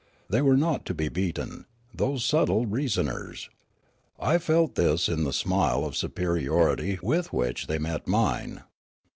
They were not to be beaten — those subtle reasoners ; I felt this in the smile of superiority with which they met mine.